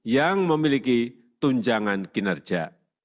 yang memiliki keuntungan yang berbeda